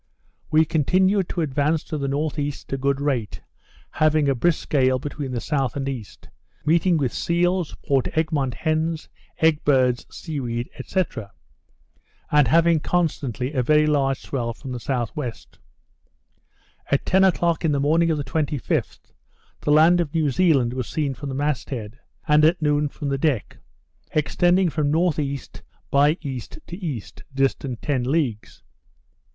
We continued to advance to the N.E. at a good rate, having a brisk gale between the S. and E.; meeting with seals, Port Egmont hens, egg birds, sea weed, &c. and having constantly a very large swell from the S.W. At ten o'clock in the morning of the 25th, the land of New Zealand was seen from the mast head; and at noon, from the deck; extending from N.E. by E. to E., distant ten leagues.